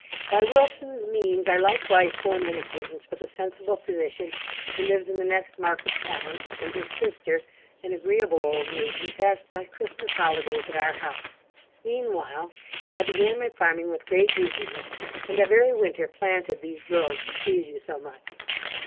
'By Wilson's means, I likewise formed an acquaintance with a sensible physician, who lives in the next market town; and his sister, an agreeable old maiden, passed the Christmas holidays at our house. Mean while I began my farming with great eagerness, and that very winter planted these groves that please you so much.